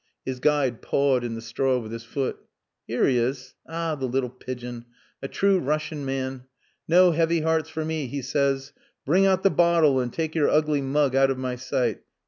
His guide pawed in the straw with his foot. "Here he is. Ah! the little pigeon. A true Russian man. 'No heavy hearts for me,' he says. 'Bring out the bottle and take your ugly mug out of my sight.